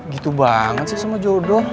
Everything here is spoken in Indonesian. gitu banget sih sama jodoh